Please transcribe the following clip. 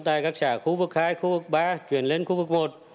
tại các xã khu vực hai khu vực ba chuyển lên khu vực một